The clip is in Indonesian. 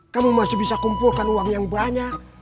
kamu masih bisa kumpulkan uang yang banyak